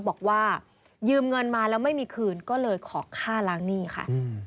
บอกว่ายืมเงินมาแล้วไม่มีคืนก็เลยขอค่าล้างหนี้ค่ะ